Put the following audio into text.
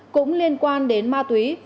cũng liên quan đến ma túy